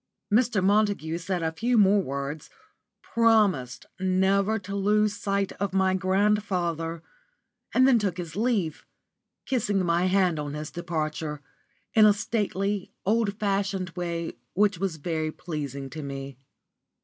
Mr. Montague said a few more words, promised never to lose sight of my grandfather and then took his leave, kissing my hand on his departure, in a stately, old fashioned way which was very pleasing to me.